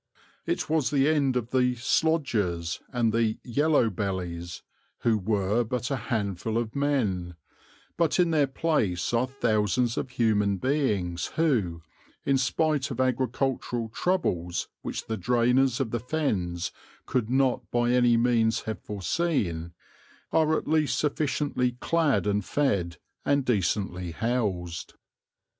It was the end of the "slodgers" and the "yellow bellies," who were but a handful of men; but in their place are thousands of human beings who, in spite of agricultural troubles which the drainers of the Fens could not by any means have foreseen, are at least sufficiently clad and fed, and decently housed.